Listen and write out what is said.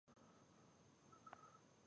د خوړو کموالي له کبله انسانان مجبور شول.